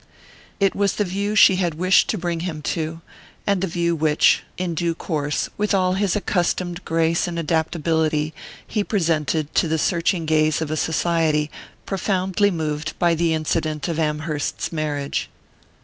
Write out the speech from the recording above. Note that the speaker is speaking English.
It was the view she had wished to bring him to, and the view which, in due course, with all his accustomed grace and adaptability, he presented to the searching gaze of a society profoundly moved by the incident of Amherst's marriage.